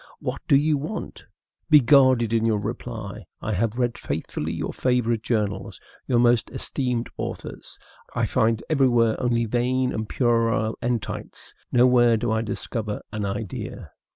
what do you want? Be guarded in your reply. I have read faithfully your favorite journals, your most esteemed authors. I find everywhere only vain and puerile entites; nowhere do I discover an idea.